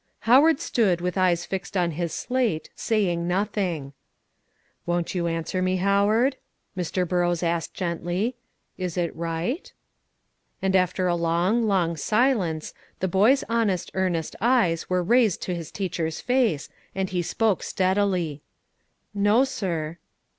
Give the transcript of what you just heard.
Howard stood, with eyes fixed on his slate, saying nothing. "Won't you answer me, Howard?" Mr. Burrows asked gently; "is it right?" And, after a long, long silence, the boy's honest, earnest eyes were raised to his teacher's face, and he spoke steadily: "No, sir."